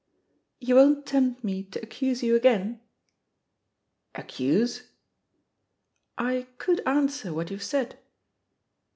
"You won't tempt me to accuse you again!'* "Accuse?" "I could answer what youVe said.'